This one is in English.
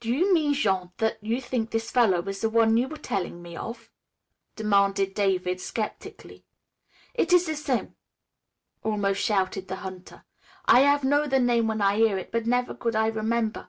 "Do you mean, Jean, that you think this fellow is the one you were telling me of?" demanded David skeptically. "It is the sam'," almost shouted the hunter. "I hav' know the name when I hear it, but never could I remember.